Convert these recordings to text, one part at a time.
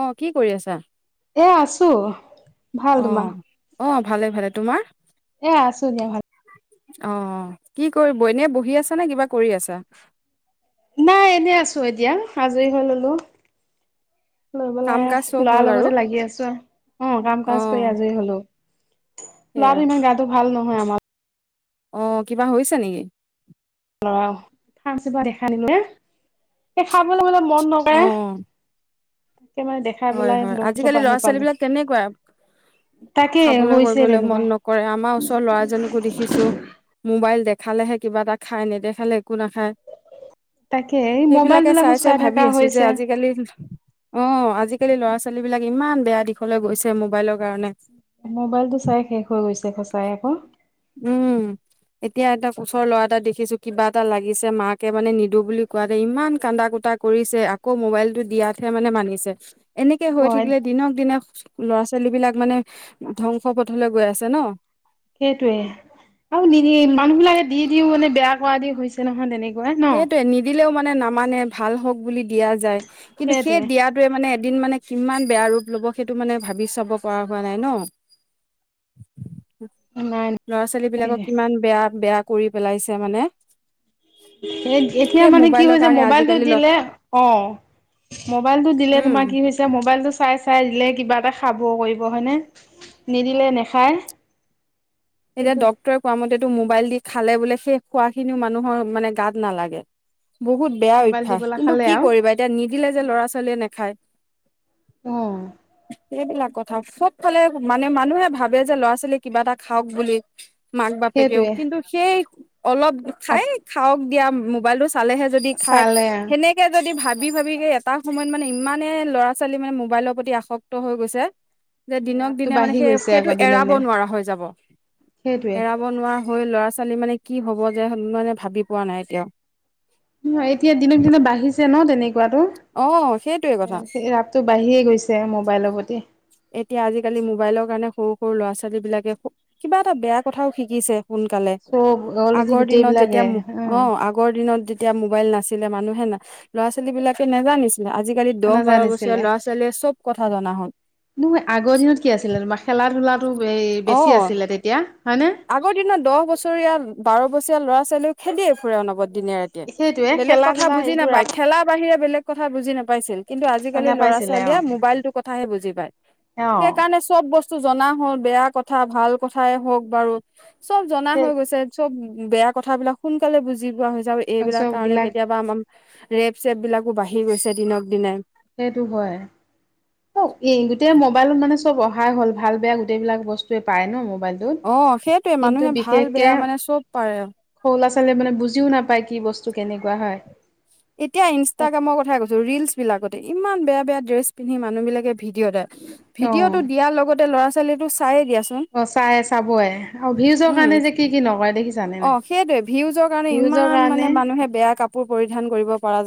অঁ কি কৰি আছা। এ আছো ভাল অ তোমাৰ অ ভালে ভালে তোমাৰ এ আছো দিয়া ভাল অঁ কি কৰিব এনে বহি আছা নে কিবা কৰি আছা নাই এনে আছো এতিয়া আজৰি হৈ ললো লৈব কাম লাই কাজ চব লৰা হ'ল আৰু লগতে লাগি আছো অঁ কাম অ কাজ কৰি আজৰি হলো সেয়া লৰাটো ইমান গাটো ভাল নহ হয় আমাৰ অ কিবা হৈছে নেকি ফ্মচপ দেখা নিলো হা এই খাবলৈ হ'লে মন নকে অ হয় হয় আজিকালি পৰা আহি ল'ৰা ছোৱালী পালো বিলাক কেনেকুৱা তাকে খাবলৈ হৈছে কৰিবলৈ মন তেনেকুৱা নকৰে আমাৰ ওচৰৰ ল'ৰাজনকো দেখিছো মোবাইল দেখালেহে কিবা এটা খাই নেদেখালে একো নাখায় তাকে এই মোবাইল সেইবিলাকে বিলাকো চাই চাই ভাবি থকা আছো যে হৈছে আজিকালি অ আজি আজিকালি ল'ৰা ছোৱালী বিলাক ইমান বেয়া দিশলৈ গৈছে মোবাইলৰ কাৰণে মোবাইলটো চাই শেষ হৈ গৈছে খচাই আকৌ উম এতিয়া এটা ওচৰ ল'ৰা এটা দেখিছো কিবা এটা লাগিছে মাকে মানে নিদো বুলি কোৱাতে ইমান কান্দা কুটা কৰিছে আকৌ মোবাইলটো দিয়াতহে মানে মানিছে এনেকে হৈ অ থাকিলে দিনক দিনে ল'ৰা ছোৱালী বিলাক মানে ধ্বংস পথলৈ গৈ আছে ন সেইটোয়ে আৰু নি মানুহ বিলাকে দি দিও মানে বেয়া কৰা দি হৈছে নহয় তেনেকে সেইটোয়ে নিদিলেও মানে নামানে ভাল হক বুলি দিয়া যায় কিন্তু সেই সেইটোৱে দিয়টয়ে মানে এদিন মানে কিমান বেয়া ৰূপ ল'ব সেইটো মানে ভাবি চাব পৰা হোৱা নাই ন নাই ল'ৰা ছোৱালী বিলাকক তাকে কিমান বেয়া বেয়া কৰি পেলাইছে মানে এতিয়া সেই মানে কি মোবাইলৰ হৈছে কাৰণে মোবাইলটো আজিকালি ল দিলে অ মোবাইলটো দিলে উম তোমাৰ কি হৈছে মোবাইলটো চাই চাই দিলে কিবা এটা খাব কৰিব হয়নে নিদিলে নেখায় এতিয়া কিন্তু ডক্তৰে কোৱা মতে মোবাইল দি খালে বোলে সেই খোৱা খিনিও মানুহৰ মানে গাত নালাগে বহুত বেয়া মোবাইল অভ্যাস দিবলৈ কিন্তু খালে কি আৰু কৰিবা এতিয়া নিদিলে যে ল'ৰা ছোৱালীয়ে নাখায় উ সেইবিলাক কথা সব ফালে মানে মানুহে ভাবে যে ল'ৰা ছোৱালী কিবা এটা খাওক বুলি মাক বাপেকেও সেইটোৱে কিন্তু সেই অলপ অ খাই খাওক দিয়া মোবাইলতটো চালেহে যদি খায় চালে সেনেকে যদি ভাত ভাবি ভাবি এটা সময়ত মানে ইমানে ল'ৰা ছোৱালী মানে মোবাইলৰ প্ৰতি আসক্ত হৈ গৈছে যে দিনক ৰাপটো দিনে মানে বাঢ়ি সেই গৈছে সেইটো আকৌ দিনক এৰাব দিনে নোৱাৰা হৈ যাব সেইটোৱে এৰাব নোৱাৰা হৈ ল'ৰা ছোৱালী। মানে কি হব যোনে ভাবি পোৱা নাই এতিয়াও। নয় এতিয়া দিনক দিনা বাঢ়িছে ন তেনেকে। খোৱাটো অ সেইটোৱে এ কথা সেই ৰাপতটো বাঢ়িয়ে গৈছে। মোবাইলৰ প্ৰতি এতিয়া আজিকালি মোবাইলৰ কাৰণে সৰু সৰু ল'ৰা ছোৱালী বিলাকে কিবা এটা বেয়া কথাও শিকিছে। সোনকালে। চব অকলেজি আগৰ দিনত গোটেইবিলাকে যেতিয়া অ', আগৰ দিনত যেত এতিয়া মোবাইল নাছিলে মানুহে না ল'ৰা ছোৱালী বিলাকে নেজানিছিল আজিকালি অ দহ, বাৰ নাজানিছিলে বছৰ ল'ৰা ছোৱালীয়ে চব কথা জনা হ'ল। আগৰ দিনত কি আছিলে তোমাৰ খেলা খেলা ধূলা টো এই বেছি অ আছিলে তেতিয়া। হয়নে আগৰ দিনত দহ বছৰীয়া, বাৰ বছৰীয়া ল'ৰা ছোৱালী সে দে। ফুৰে অনবৰত দিনে ৰাতিয়ে সেইটোৱে বেলেগ খেলা কথা ধূলা বুজি হেৰিটো নাপায় ৰাপ খেলা বাহিৰে বেলেগ কথা বুজি নাপা পাইছিল। কিন্তু আজি কালি ল'ৰা নাপাইছিলে অ ছোৱালীয়ে মোবাইলটোৰ কথাহে বুজি পায়। অ সেইকাৰণে চব বচ জনা হ'ল বেয়া কথা ভাল কথাই হওঁক। বাৰু চব জনা সেই হৈ গৈছে চব বেয়া কথ বিলাক সোনকালে বুজি পোৱা হৈছে। এইবিলাক কাৰণে চববিলাক কেতিয়াবা আমাৰ ৰেপ চেপ বিলাকো বাঢ়ি গৈছে দিনক দিনে। সেইটো হয় অ এই গোটেই মবাইলত মানে ব অহায় হ'ল ভাল বেয়া গোটেইবিলাক বস্তুৱে পায় ন। মোবাইলটোত অ সেইটোৱে কিন্তু মানুহে ভাল বিশেষকে বেয়া মানে চব পাৰে সৰু ল'ৰা ছোৱালীয়ে মানে বুজিও নাপায়। কি বস্তু কেনেকুৱা হয়? এতিয়া তাক ইনষ্টাগ্ৰামৰ কথা কৈছো ৰিলচ বিলাকত ইমান বেয়া বেয়া ড্ৰেছ পিন্ধি মানুহ বিলাকে ভিডিঅটে, ভিডিঅটো অ দিয়াৰ লগতে ল'ৰা ছোৱাল [unintelligible] চাই দিয়া অ চাই চাবয় আৰু ভিউজৰ উম কাৰণে যে কি কি নকৰে দেখি অ', সেইটোয়ে ভিউজৰ কাৰণে ইমান কাৰণে মানে মানুহে বেয়া কাপোৰ পৰিধান কৰি [unintelligible]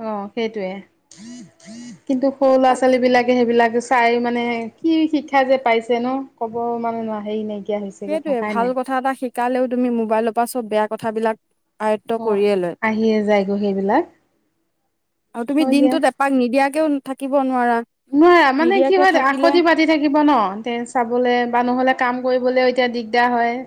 অ সেইটোৱে [unintelligible] কিন্তু? সৰু ল'ৰা তাক ছোৱালী বিলাকে সেইবিলাকে চাই মানে কি শিক্ষা যে পাইছে ন ক'ব মানে হেৰি নাই। হৈছেগৈ সেইটোয়ে ভাষাই ভাল কথা এটা শিক কালেও তুমি মোবাইলৰ পৰা চব বেয়া কথাবিলাক আয়ত্ব অ কৰিয়ে লয়। আহিয়ে যায়গৈ সেইবিলাক আৰু তুমি হয় দিয়া দিনটোত এপাক নিদিয়াক [inaudible] থাকিব নোৱাৰা নোৱাৰা মানে কি নিদিয়াকে হয় থাকিলে [unintelligible] পাতি থাকিব ন? তে চাবলে বা ন'হলে কাম কৰিবলৈ এতিয়া দিগদ [unintelligible] হয়।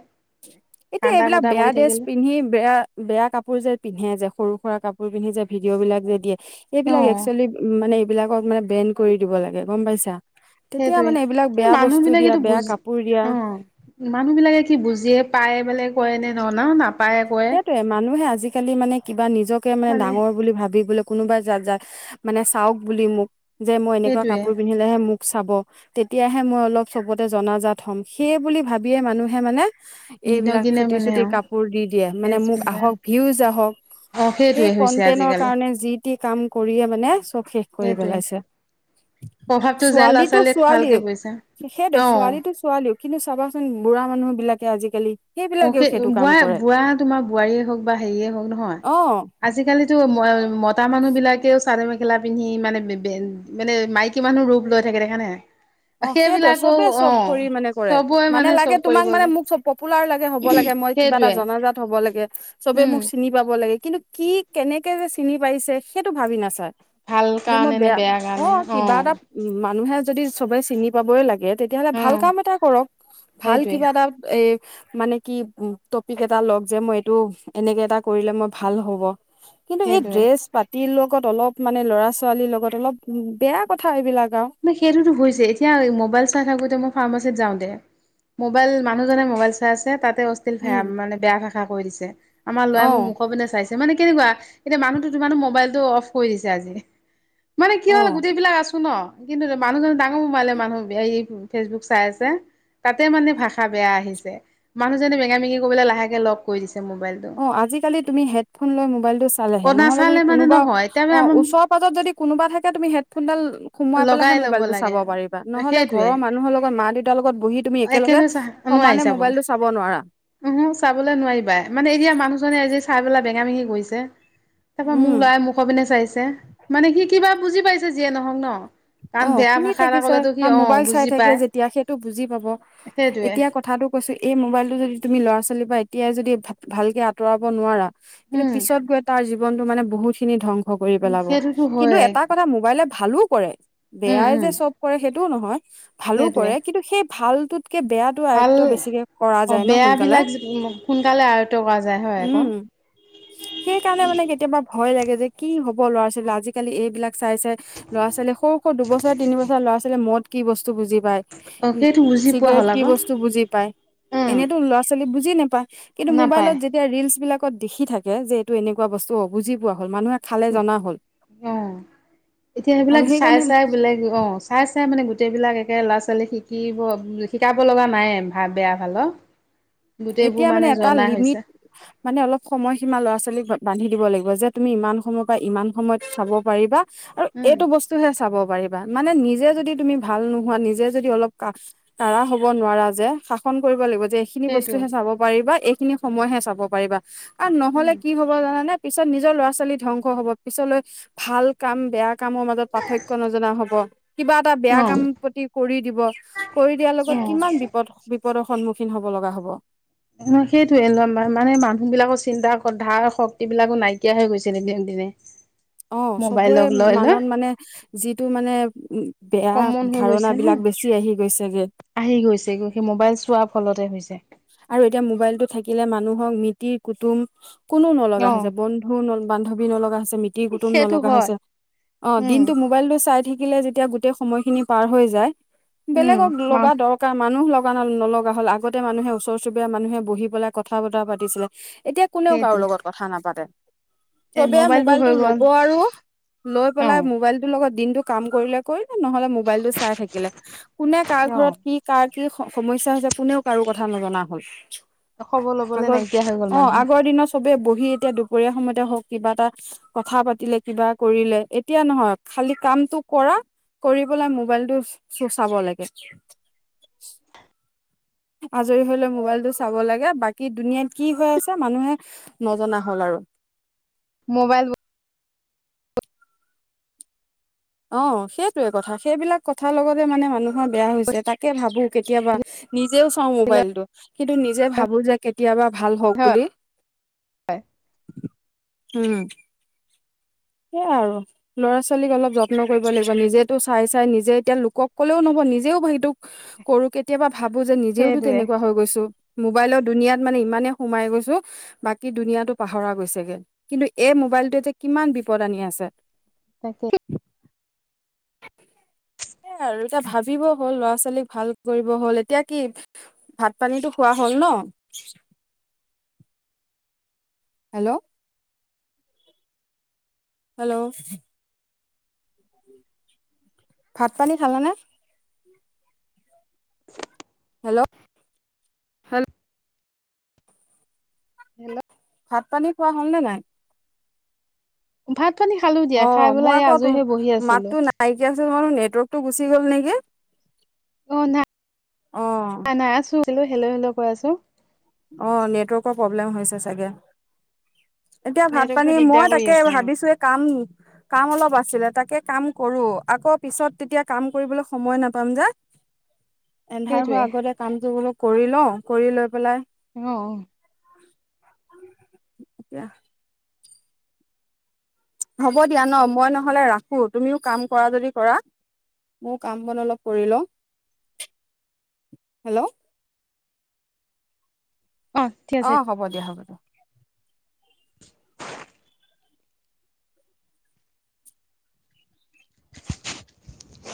এতিয়া কান্দা এইবিলাক কুটা বেয়া কৰি ড্ৰেছ থাকিলে পিন্ধি বেয়া, বেয়া কাপোৰ যে, পিন্ধে যে সৰু [unintelligible] কাপোৰ পিন্ধি যে ভিডিঅ বিলাক যে দিয়ে। এইবিলাক অ একচুৱেলি উম, মানে এইবিলাকক মানে বেন কৰি দিব লাগে গম পাইছা। তেতিয়া সেইটোয়ে মানে এইবিলাক কিন্তু বেয়া মানুহ বস্তু দিয়া বিলাকেটো বেয়া বুজ কাপোৰ দিয়া অ মানুহ বিলাকে কি বুজিয়ে পাই বোলে [unintelligible] সেইটোয়ে মানুহে আজি আজি কালি মানে কিবা নিজ নিজকে মানে ডাঙৰ বুলি ভাবি বলে কোনোবাই যাত যা মানে চাওক বুলি মোক যে, মই এনেকুৱা সেইটোৱে কাপোৰ পিন্ধিলেহে মোক চাব তেতিয়াহে মই অলপ চবতে জনাজাত হ'ম, সেই বুলি ভাবিয়েই মানুহে মানে দিনক এইবিলাক দিনে চুটি মানে চুটি অ কাপোৰ দি মানে ড্ৰেছ মোক পিন্ধা আহক, ভিউজ আহক। অ ‌সেই সেইটোৱে হৈছে কণ্টেনৰ আজিকালি কাৰণে যি কি কাম কৰিয়ে মানে চব শেষ কৰি সেইটোৱে পেলাইছে প্ৰভাৱটো যায় ল'ৰা ।ছোৱালীটো ছোৱালীক ছোৱালী ভালকে বুইছে দে অ ছোৱালীটো ছোৱালী। কিন্তু চাবাচোন বুঢ়া মানুহ বিলাকে আজিকালি অ সেইবিলাকেও সেই সেইটো কাম বুৱা কৰে বুৱা তোমাক বোৱাৰীয়ে হওক বা সেইয়ে হক নহয়। অ আজি কালি টো [unintelligible] মতা মানুহ বিলকেও চাদৰ মেখেলা পিন্ধি মানে মানে মাইকী মানুহ ৰূপ লৈ থাকে দেখা নে নাই? অ', সেইটোয়ে সেইবিলাকো চবে অ চব কৰি মানে কৰে। চবৰে মানে লাগে চব তোমাক কৰিব মানে যে মোক চব পপুলাৰ লাগে হ'ব লাগে মই কিবা এটা সেইটোৱে জনাজাত হব লাগে, সবে উম মোক চিনি পাব লাগে কিন্তু কি কেনেকে যে চিনি পাৰিছে সেইটো ভাবি না ছাৰ ভাল কাৰণে নে বেয়া কাৰণে, কিবা এটা অঁ। মানুহে যদি চবে চিনি পাবই লাগে তেতিয়াাহ'লে অ ভাল কাম এটা কৰক, ভাল সেইটোৱে কিবাদাল এ মানে কি টপিক' এটা লওক যে মই এইটো এনেকে এটা কৰিলে মই ভাল হ'ব কিন্তু এই সেইটোৱে ড্ৰেছ পাত তিৰ লগত অলপ মানে ল'ৰা ছোৱালীৰ লগত অলপ, বেয়া কথা এইবিলাক আৰু ম' সেইটোতো হৈছে। তিয়া ম'বাইল চাই থাকোঁতে মই ফাৰ্মাচীত যাওঁতে, ম'বাইল মানুহজনে ম'বাইল চাই আছে, তাত এ, অষ্টিল ফেয়া উম মানে বেয়া ভাষা কৈ দিছে যে আমাৰ অ লোৱাই মু মুখ পিনে চাইছে মানে কেনেকুৱা, এতিয়া মানুহটো ধুমাধোম মোবাইলতটো অফ কৰি দিছে আজি। মানে কি অ হ'ল গোটেইবিলাক আছো ন। কিন্তু মানুহ জনে ডাঙৰ মোবাইলে মানুহ, এই ফেচবুক চাই আছে, তাতে মানে ভাষা বেয়া আহিছে, মানুহজনে বেঙা বেঙি কৰি পেলাই লাহেকে লক কৰি দিছে। মোবাইলটো অঁ আজিকালি তুমি হেডফোন লৈ মোবাইলটো চালেহে, অ নহ'লে যদি নাচালে মানে কোনোবা নহয় তাৰমানে অ', আমাৰ ওচৰ পাজত যদি কোনোবা থাকে তুমি হ ফোনডাল সোমোৱাই পেলাইহে লগাই ল'ব মোবাইলটো লাগে চাব পাৰিবা, নহলে সেইটোৱে ঘৰৰ মানুহৰ লগত মা-দেউতাৰ লগত বহি তুমি একেলগে, সমানে ম'বাইলটো চাব নোৱাৰা। উহু চাবলৈ নোৱাৰিবা মানে এতিয়া মানুহজনে আজি চাই পেলাই বেঙা মেহি গৈছে তাৰপা মোক উম লৱাই মুখ পিনে চাইছে, মানে সি কিবা বুজি পাইছে যিয়ে নহওঁক ন! কাৰণ অঁ বেয়া শুনি ভাষা এটা থাকিছোৰ, ক'লেতো সি কাৰণ অ মোবাইল চাই বুজি থাকে পায় যেতিয়া সেইটো বুজি পাব, সেইটোৱে এতিয়া কথাটো কৈছো এই মোবাইলতটো যদি তুমি ল'ৰা ছোৱালী পোৱলি পৰা এতিয়াই যদি ভ ভালকে আঁতৰাব নোৱাৰা কিন্তু উম পিছত গৈ তাৰ জী জিৱনতু মানে বহুখিনি ধং কৰি পেলাব। সেইটোতো কিন্তু হয় এটা কথা ম'বাইলে ভালো কৰে। উম বেয়াই উম যে চব কৰে সেইটো টো নহয় ভালো কৰে, সেইটোৱে কিন্তু সেই ভালটো কে বেয়াটো ভাল আয়ত্ব বেছিকে কৰা অ যায় ন সোনকালে। বেয়াবিলাক সোনকালে আয়ত্ব কৰা যায় হয় আকৌ উম, সেই কাৰণে মানে কেতিয়াবা ভয় লাগে যে কি হ'ব ল'ৰা-ছোৱালীবিলা, আজিকালি এইবিলাক চাই চাই ল'ৰা-ছোৱালী স আকৌ দুবছৰ তিনিবছৰ ল'ৰা-ছোৱীয়ে মদ কি বচ বুজি পায় অ সেইটো বুজি পোৱা চিগাৰেট হ'ল কি আকৌ বস্তু বুজি পায় উম এনেতো ল'ৰা ছোৱালী বুজ বজি নাপা কিন্তু নাপায় মোবাইলত যেতিয়া ৰিলচ বিলাক দেখি থাকে যে এইটো এনেকুৱা বস্তু অবুজি পোৱা হ'ল মানুহে খালে জনা হ'ল। অ এতিয়া আৰু সেইবিলাক চাই সেইকাৰণে চাই বেলেগ অ', চাচ চাই মানে গোটেই বিলাক একে ল'ৰা ছোৱালী শিকিব শিকাব লগা নাই ভ বেয়া ভালৰ গোটেইবোৰ এতিয়া মানে এটা জনা হৈছে লিমিট, মানে অলপ খময় সীমা ল'ৰা-ছোৱালীক বা বান্ধি দিব লাগিব যে তুমি ইমান সময়ৰ পৰা ইমান সময়ত চাব পাৰিবা আৰু উম এইটো বস্তু হে চাব পাৰিব মানে নিজে যদি তুমি ভাল নোহোৱা নিজে যদি অলপ কা কাড়া হব নোৱাৰা যে শাসন কৰিব লাগিব যেইখিনি বচ সেইটো হে চাব পাৰিবা এক খিনি সময়হে চাব পাৰিবা। আ, নহ'লে উম কি হব জানানে? পিছত নিজৰ ল'ৰা ছোৱালী ধ্বংস হব পিছলৈ ভাল কাম বেয়া কামৰ মাজত পাৰ্থক্য নজনা হ'ব কিবা এটা বেয়া অ কাম প্ৰতি কৰি দিব, কৰি দিয়াৰ অ লগত কিমান বিপদ বি বিপদৰ সন্মুখীন হ'ব লগা হ'ব। ন সেইটোয়ে ল‌ ল মানে মানুহ বিলাকৰ চিন্তা ধাৰ শক্তি বিলাকো নাইকিয়া হৈ গৈছে দিনক দিনে। অ', চবৰে মোবাইলক লৈ লৈ মানত মানে যিটো মানে উ বেয়া কমন হৈ ধাৰণা গৈছে ন বিলাক বেছি আহি গৈছেগে আহি গৈছে সেই মোবাইল চোৱা ফলতে হৈছে। আৰু এতিয়া মোবাইলটো থাকিলে মানুহক মিতিৰ-কুটুম কোনো নলগা অ হৈছে বন্ধু ন বান্ধৱী নলগা মিতিৰ কুটুম সেইটো নলগা হয় হৈছে অ উম দিনটো মোবাইলটো চাই থাকি থাকিলে যেতিয়া গোটেই সময়খিনি পাৰ হৈ যায় উম বেলেগক মা লগা দৰকাৰ মানুহ লগা ন নলগা হ'ল, আগতে মানুহে ওচৰ চুবুৰীয়া মানুহে বহি পেলাই কথা বতৰা পাতিছিলে এতিয়া কোনেও কাৰো সেইটোৱে লগত কথা নাপাতে। এই চবে মোবাইলটো হৈ গ'ল ল'ব আৰু লৈ অ পেলাই মোবাইলটোৰ লগত দিন এইটো কাম কৰিলে কৰিব, নহ'লে মবাইলটো চাই থাকিলে, কোনে কাৰ অ ঘৰত কি কাৰ কি সমস্যা হৈছে কোনেও কাৰো কথা কথা নজনা হ'ল। খবৰ লবলৈ আগৰ নাইকিয়া হৈ গ'ল অ', মানুহ, আগৰ দিন চবে বহ সি এতিয়া দুপৰীয়া সময়তে হওক কিবা এটা কথা পাতিলে, কিবা কৰিলে, এতিয়া নহয় খালি কামটো কৰা, কৰি পেলাই মোবাইলটো চো চাব লাগে। আজৰি হ'লে মোবাইলটো চাব লাগে, বাকী দুনীয়াত কি হৈ আছে মানুহে নজনা হ'ল আৰু। মোবাইল অ' সেইটোয়ে কথা, সেইবিলাক কথাৰ লগতে মানে মানুহৰ বেয়া হৈছে, তাকে ভাবো কেতিয়াবা নিজেও চাওঁ মোবাইলটো, কিন্তু নিজে ভাবো যে কেতিয়াবা ভাল হওক বুলি। উম সেইয়াই আৰু ল'ৰা ছোৱালীক অলপ যত্ন কৰিব লাগিব নিজেতো চাই চাই নিজে এতিয়া লোকক কলেও নহব নিজেও সেইটো কৰো কেতিয়াবা ভাবো যে নিজেওতো সেইটোৱে তেনেকুৱা হৈ গৈছো। মোবাইলৰ দুুনিয়াত মানে ইমানেই সোমাই গৈছো বাকী দুুনীয়াটো পাহৰা গৈছেগে, কিন্তু এই মোবাইলটোৱে যে কিমান বিপ পদ আনি আছে। তাকে সেইয়া আৰু এতিয়া ভাবিব হ'ল, ল'ৰা ছোৱালীক ভাল কৰিব হ'ল, এতিয়া কি ভাত পানীটো খোৱা হ'ল ন। হেল্ল' হেল্ল' ভাত পানী খালেনে। হেল্ল'। হেল্ল'। ভাত পানী খোৱা হ'ল নে নাই। ভাত পানী খালো দিয়া, অ খাই পেলাই এই আজৰি হৈ বহি আছিলো। বুলো নেটৱৰ্ক টো গুচি গ'ল নেকি? অ নাই', অ নাই - নাই আছো ভালেই। হেল্ল'-হেল্ল' কৈ আছো। অঁ নেটৱৰ্কৰ প্ৰব্লেম হৈছে চাগে। এতিয়া ভাত নেটৱৰ্কটো পানী, দিগদাৰ মই কৰি তাকে আছে ভাবিছো এ কাম- কাম অলপ আছিলে তাকে কাম কৰো, আকৌ পিছত তেতিয়া কাম কৰিবলৈ সময় নাপাম যে। এন্ধাৰ সেইটোৱে হোৱা আগতে কামটো বুলো কৰি লওঁ কৰি লৈ পেলাই অঁ। এতিয়া হ'ব দিয়া ন মই নহ'লে ৰাখো তুমিও কাম কৰা যদি কৰা, মোৰ কাম বন অলপ কৰি লওঁ। হেল্ল'। ঠিক অ আছে। হ'ব দিয়া', হ'ব দিয়া। [inaudible]